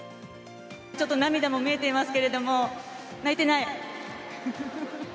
ちょっと涙も見えてますけれども、泣いてない？